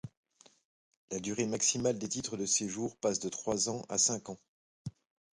La durée maximale des titres de séjour passe de trois à cinq ans.